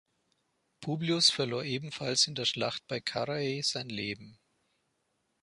Publius verlor ebenfalls in der Schlacht bei Carrhae sein Leben.